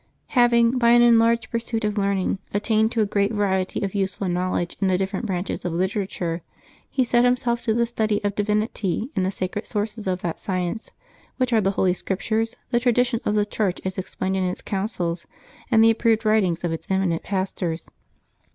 Having, by an enlarged pursuit of learn ing, attained to a great variety of useful knowledge in the different branches of literature, he set himself to the study of diyinity in the sacred sources of that science, which are the Holy Scriptures, the tradition of the Church as ex plained in its councils, and the approved writings of its eminent pastors.